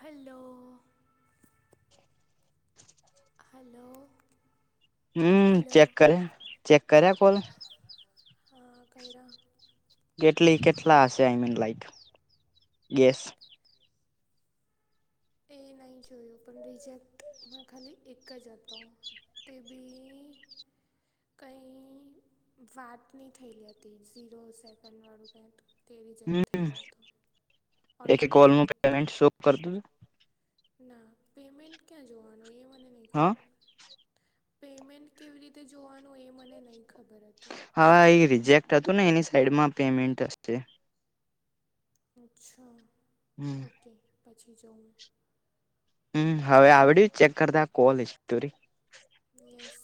Hello. [inaudible] Hello. હમ hello check કર્યા check કર્યા કોલ? હા કયરા. કેટલી કેટલા હશે આઈ મીન લાઈક, ગેસ. એ નહીં જોયું પણ રિજેક્ટમાં ખાલી એક જ હતો. તેબી કંઈ વાત નહી થયેલી હતી ઝીરો સેકન્ડવાળું કં હતો. તે રિજેક્ટ હમ થયેલો હતો, ઓટો રિજેક્ટ. કર દું છે. ના પેમેન્ટ ક્યાં જોવાનું એ મને નહીં હા ખબર. પેમેન્ટ કેવી રીતે જોવાનું એ મને નહીં ખબર જ. હા એ રિજેક્ટ હતું ને એની સાઈડમાં પેમેન્ટ હશે. અચ્છા હમ ઓકે પછી જોઉ. હમ હવે આવડ ચેક કરતા કોલ હિસ્ટ્રી? યસ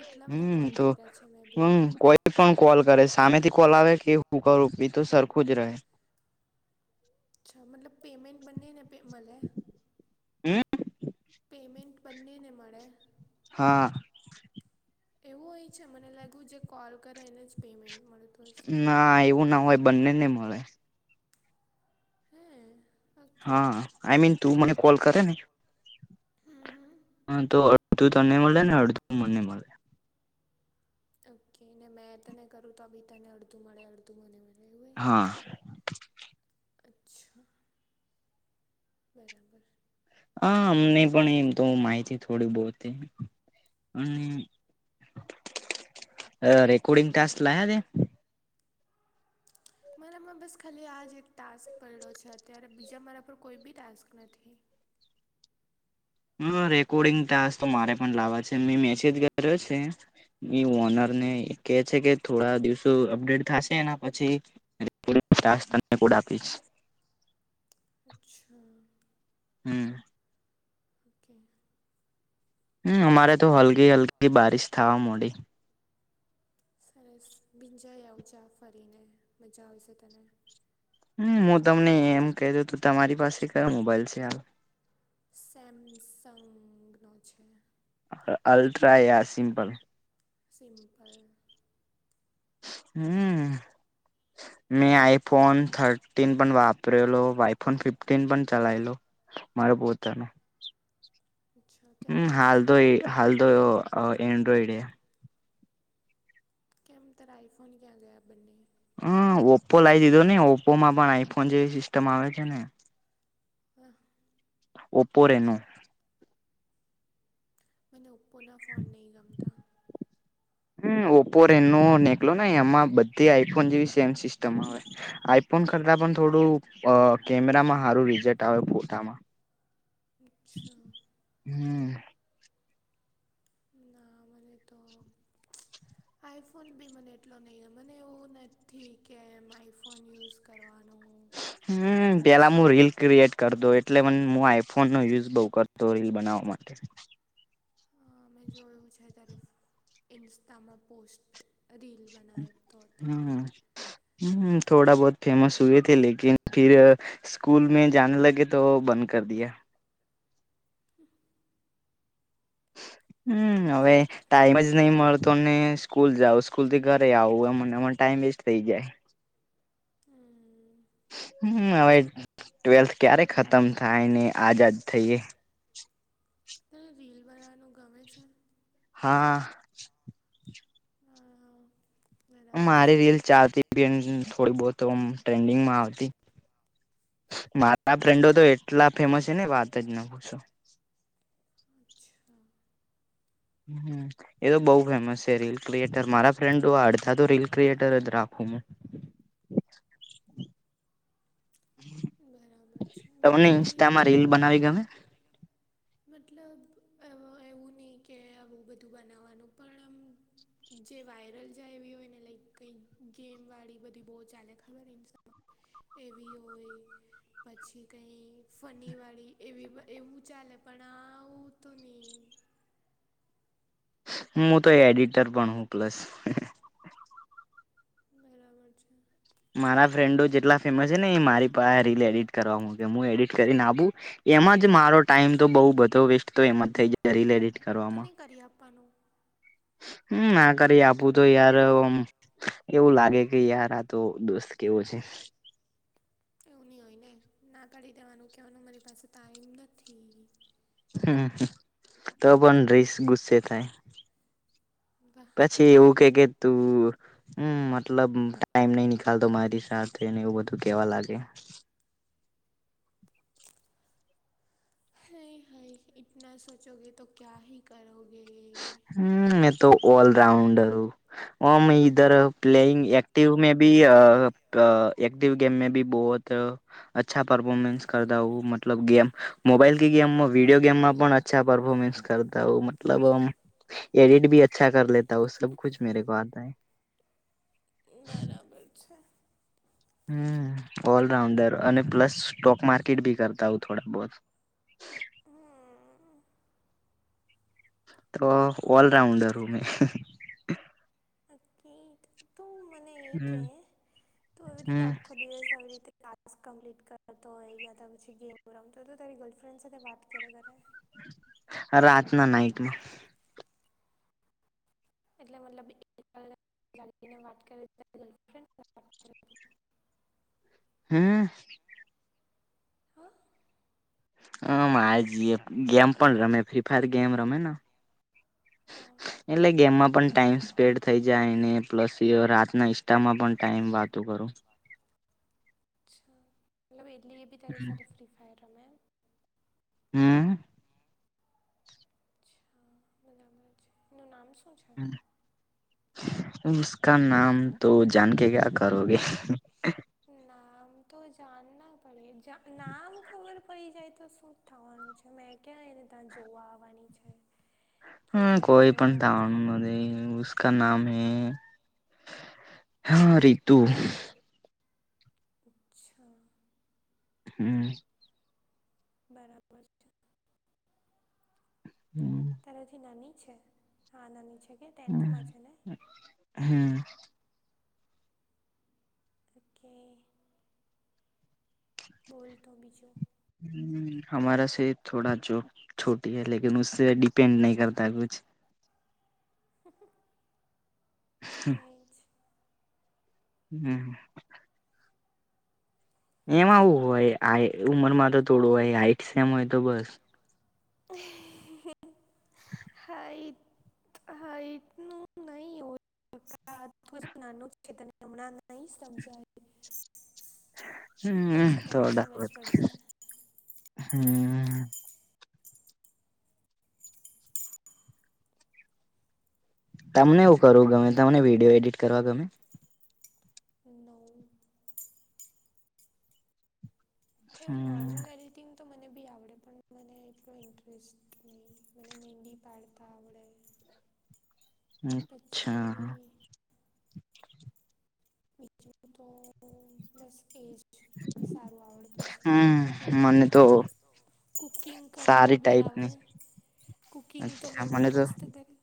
કેટલા બધા હમ કોલ તો કર્યા છે મેં બી. હમ કોઈ પણ કોલ કરે સામેથી કોલ આવે કે હું કરુંપી તો સરખું જ રહે. અચ્છા મતલબ પેમમેન્ટ બંનેને પે મલે? હમ. પેમેન્ટ બને મળે? હા. એવું એય છે મને લાગ્યું જે કોલ કરે એને જ પેમેન્ટ મળે. ના એવું ના હોય બંને નહી મળે. હમ. હા આઈ મીન તું મને કોલ કરે ને. હમ હમ. હા તો અડધું તને મળે ને અડધું મને મળે. ઓકે ને મેં તને કરું તો બી તને અડધું મળે અડધું તોમને રહે હય, હા અચ્છા. બરાબર. હા અમને પણ એમ તો માહિતી થોડી બહતે, અને અ રેકોર્ડિંગ ટાસ્ક લ તેે. [inaudible] મારામાં બસ ખાલી આ જ એક ટાસ્ક પડડ્યો છે અત્યારે બીજા મારા પર કોઈ બી ટાસ્ક નથી. હા રેકોર્ડિંગ તાસ તો મારે પણ લાવવા છે મે મેસેજ કર્યો છે. ઓનર ને કે છે કે થોડા દિવસો અપડેટ થશે પછી [unintelligible] અચ્છા. હમ. ઓકે હમ અમારે તો હલગ હલકી બારિશ થાવા મળડી સરસ ભીંજાય આવ જા ફરી ને મજા આવશે તેને. હમ હું તમને એમ કે તો તો તમારી પાસે કયો મોબાઈલ છે આમ? સેમસંગનો છે અલ્ટ્રા યા સિમ્પલ સિમપલ હમ મેં આઈફોન થ ફફન પણ વાપરેલો આઈફોન ફિફ્ટન પણ ચલાયલો મારા પોતાનો અચ્છા અત્યારે હમ કયો હાલદ છે હાલ તો એન્ડ્રોઈડ એ. કેમ તારા આઇફોન ક્યાં ગયા બંને. હમ ઓપ્પો લાવી દીધો નને ઓપ્પો માં પણ આઈફોન જેવી સિસ્ટમ આવે છે ને. હ ઓપો રેનો. મને ઓપોના ફોન નહીં ગમતા હમ ઓપો રેન નો નેકલો એમાં બધી આઈફોન જેવી સેમ સિસ્ટ આઈફોન કરતા પણ થોડું કેમેરામાં સારું રીઝેટ આવે ફોટામાં. અચ્છા હમ ના મને તો આઈફોન બી મને એટલો નહી મને એવું નથી કે એમ આઈફોન યુઝ કરવાનો અચ્છા. કર દો એટલે મ હું આઈફોન નો યુઝ બઉ કરતો રીલ બનાવવા માટે. મેં જોયું છે તારી ઇન્સ્ટામાં પોસ્ટ. રીલ બનાએ તો તોએ હમ હમ થોડા બહુત ફેમસ હુએ થે લેકિન સ્કૂલ મે જાને લગે તો બંધ કર દિયા. હ હમ હવે છે ટાઈમ જ નહી મળતો સ્કૂલ જાઉ સ્કૂલ થી ઘરે આવું એમને ટાઈમ વેસ્ટ થઈ જાય હમ હમ હવે ટ્વેલ્થ ક્યારે ખતમ થાય ને આઝાદ થઈએ તને રીલ બનાવાનું ગમે છે હા હા, બરાબર મારી છે રીલ ચાલતી થોડી ટ્રેન્ડિંગમાં આવતી મારા ફ્રેન્ડો તો કેટલા ફેમસ છે ને વાત જ ન પૂશો અચ્છા. હ એ તો બઉુ ફેમસ છે રીલ. ક્રિએટર મારા ફ્રેન્ડો અડધા તો રીલ ક્રિએટર જ રાખું હું. [inaudible] બરાબર છે તમને મારો ભી ઇન્સ્ટામાં રીલ અમે બનાવી એવું ગમે મતલબ એવું નહી કે આવું બધું બનાવવાનું પણ આમ જે વાયરલ જાય એવી હોય ને લાઈક કંઈક ગેમ વાળી બધી બહુ ચાલે ખબર ઈન એવી હોય પછી કંઈ ફનીવાળી એવી એવું ચાલે પણ આવું તો ની. મું તો એડિટર પણ હું પ્લસ બરાબર છે. મારા ફ્રેન્ડો જેટલા ફેમસ છે ને એ મારી પાહે રીલ એડિટ કરવા મુકે મું એડિટ કરીને આપુ એમાં જ મારો ટાઈમ તો બહુ બધો વેસ્ટ તો એમાં જ થઈ જાય રીલ એડિટ તો કરવામાં. નહીં કરી આપવાનું. હમ આ કરી આપું તો યાર અમ એવું લાગે કે યાર આ તો દોસ્ત કેવો છે. એવું ની હોય ને ના કરી દેવાનું કેવાનું મારી પાસે ટાઈમ નથી. હમ હમ તો પણ ર્રીસ ગુસ્સે થાય. વાહ! તે એવું કે કે તું હમ મતલબ ટાઈમ નઈ નીકાલતો મારી સાથે ને એવું બધું કેવા લાગે. અય હય ઈતના સોચો ગેતો ક્યાહી કરોગે. હમ મેં તો ઓલરાઉન્ડર હું ઓમ ઇધર પ્લેઇંગ એક્ એક્ટિવ મે બી અ પ એક્ટિવ ગેમ મે ભી બહોત અચ્છા પરફોર્મેન્સ કરતા હો મતલબ ગેમ મોબાઈલ કી ગેમમાં વિડીયો ગેમમાં પણ અચ્ અચ્છા પરફોર્મેન્સ કરતા હો મત મતલબ આમ એડિટ ભી અચ્છા કર લેતા હું સબ કુછ મેરે કો આતા હે. બરાબર છે. હમ ઓલરાઉન્ડર અને પ્લસ સ્ટોક માર્કેટ ભી કરતા હું થોડા બહોત. હમ તો ઓલરાઉન્ડર હું મેં. હમ તું મને ઈ હમ્મ કે તુ આવી રીતે હમ્મ આખો દિવસ આવી રીતે ટાસ્ક કમ્પ્લીટ કરતો હોય કે યાતો પછી ગેમ રમતો હોય તો તારી ગર્લફ્રેન્ડ સાથે વાત ક્યારે કરે? રાતના નાઈટમાં. એટલે મતલબ [inaudible] વાત કરે હમ હહ? હહ મારી જીએફ ગેમ પણ રમે ફ્રી ફાયર ગેમ રમે ન. હા એટલે ગેમમાં પણ ટાઈમ સ્પેન્ડ થઈ જાયને. પ્લસ એ રાતના ઈસ્ટ્ટામાં પણ ટાઈમ વાતો કરું. અચ્છા મતલબ એકલી બી તારી સાથે ફ્રી ફાયર રમે એમ? હમ હા બરાબર છે. એનું નામ શું છે? હમ મુસ્કાન નામ તો જાન કે કયા કરોગે? નામ તો જાનના પડે જા નામ ખબર પડી જાય તો શું થવાનું છે મેં ક્યાં એને ત્યાં જોવા આવાની છે. કે હહ એને કોઈ મળવા પણ અચ્છા [inaudible] ઉસકા નામ હે હા રીતુ. અચ્છા. હમ બરાબર છે. હમ તારાથી નાની છે? હા નાની છે કે ટેન્થમાં છે ને? હમ ઓકે બોલ તો બીજું. હમ્મ, હમારા સે થોડા જો છોટી હૈ લેકિન ઉસસે ડિપેન્ડ નહી કરતા હે કુછ. એજ. હમ્મ, હમ્મ. એમાં આવું હોય આ ઉમરમાં તો થોડું હોય હાઇટસ સેમ હોય તો બસ. હાઈ હા, એટું નહી એવ [unintelligible] નાનું છેત હમણાં નહીં સમજાય. હમ્મ પછી તને થોડા સમજ પડશે હમ્મ. તમને હું કરવું ગમે તમને વિડીયો એડિટ કરવા ગમે? હું નૌ એવું હમ નોર્મલ એડિટિંગ તો મને બી આવડે પણ મને એટલો ઇન્ટરેસ્ટ નહી મને મેંદી પાડતા આવડે. અચ્છા પછી બીજું તો બસ તેજ સારું આવડતું છે. કુકિંગ હમ મને તો કુકિંગ સારી કરતાં બી ટાઈપની આવડે કુકિંગ તો અચ્છા મેં બહુ મને તો મસ્ત કરી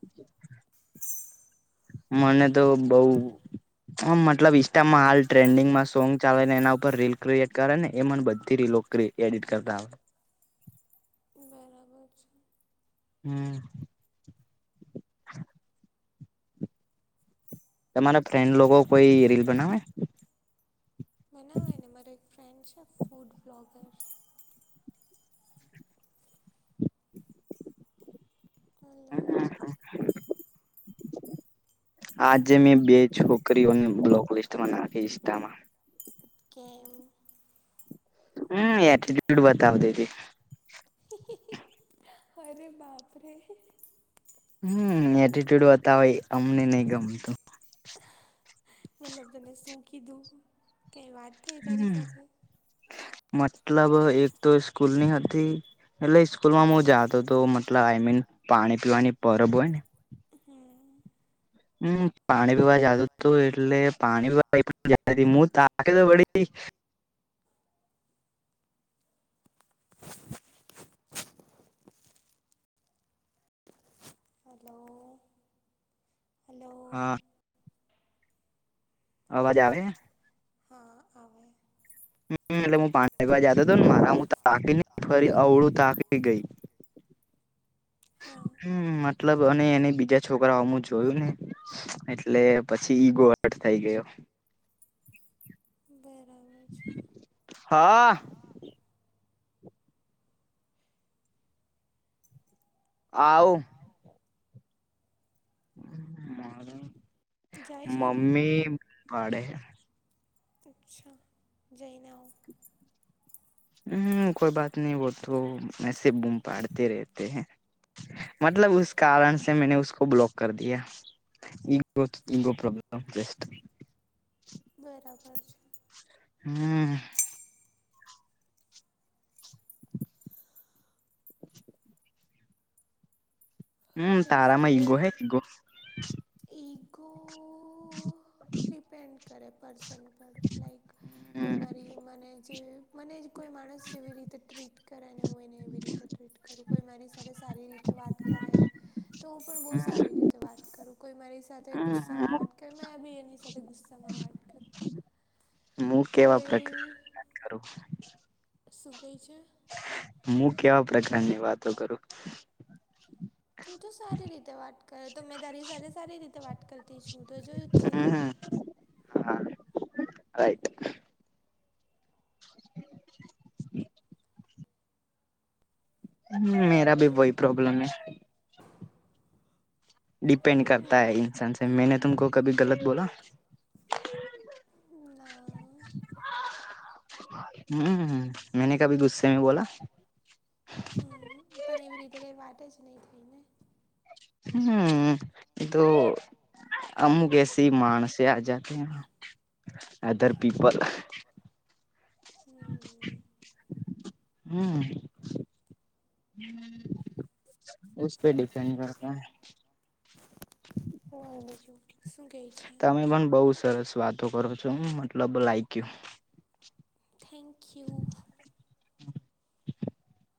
મને તો બઉ આમ મતલબ ઈસ્ટામાં હાલ ટ્રેન્ડિંગમાં સોંગ ચાલે ને એના ઉપર રીલ ક્રિએટ કરે ને એ મને બધી રીલો ક્રે એડિટ કરતા આવે. બરાબર છે. હમ્મ. તમારા ફ્રેન્ડ લોકો કોઈ રીલ બનાવે? ના હોય ને મારો એક ફ્રેન્ડ છે ફૂડ બ્લોગર હા હા હલો હા હા. આજે મેં બે છોકરીઓને બ્લોક લિસ્ટમાં નાખી ઈસ્ટામાં. કેમ? હમ્મ એટ્રીટ્યુડ બતાવતી થી. હી હી હી. અરે બાપરે. હમ્મ, એટીટ્યુડ બતાવે ઈ અમને નહ ગમતું. મતલબ મને સૂ કીધું કંઈ વાત થઈ તારી હમ્મ, સાથે મતલબ એક તો સ્કૂલની હતી. એટલે સ્કૂલ માં હું જાતો હતો મતલબ આઈ મીન પાણી પીવાની પરબ હોય ને હમ્મ. હમ્મ, પાણી પીવા જાતું તું એટલે પાણી પીવા તા તો પડી [inaudible] હાલો. હા. અવાજ હલો આવે હે? હા આવે. હમ્મ, એટલે હું પાં જતો હતો ને મારા હું તાકી ન ફરી અવળું તાકી ગઈ. હા હમ્મ, મતલબ અને એન બીજા છોકરાઓમું જોયું નઈ. એટલે પછી ઈગો હટ થઈ ગયો. બરાબર છે. હા આઉ. છે જાય છે તું મમ્મી પાડે. અચ્છા જૈને આવ. હમ કોઈ બાત નહી વો તો વૈસે હિ બૂમ પાાડતે રહેતે હૈ મતલબ કારણસે મેને ઉસકો બ્લોક કર દિયા. [inaudible] બરાબર છે. હમ હમ તારું તારામાં ઈ ગો હૈ ઈ ગો ઈ ગો [inaudible] ડિપેન્ડ કરે પર્સન પર લાઈક કોઈ હમ મારી મને જે મને કોઈ માણસ જેવી રીતે ટ્રીટ કરે ને હોયને એવી રીતે ટ્રીટ કર કરરું કોઈ મારી સાથે સારી રીતે વાત કરે તો હું પણ બહુ સારી રીતે વાત કરું કોઈ મારી સાથે હમ ગુસ્સામાં હમ વાટ કર મેં બી એ નની સાથે ગુસ્સામાં વાટક હું કેવા પ્રકાર કરું સુખઈ છે. હું કેવા પ્રકારની વાતો કરું તું તો સારી રીતે વાત કર તો મેં તારી સાથે સારી રીતે વાત કરતી છું તો જોયું જ છે. હમ હા રાઈટ [inaudible] મેરા ભી વહી પ્રોબ્લમ હે ડિપેન્ડ તો કરતા નહી હ ન્સાન કરતા મેને તુમ કો કભી ગલત બોલા ના- હમ હ મેને કભી ગુસ્સેમાં બોલા હમ પણ એવી રીતે કઈ વાત જ નહી થઈને હમ એ અમુક કેસી માણસે આ જાતે અદર પીપલ હમ હમ પે ડિપન્ડ કરતા સમજો [unintelligible] તમે પણ બઉુ સરસ વાતો કરો છો મતલબ લાઈકયુ પખુ [unintelligible] [inaudible]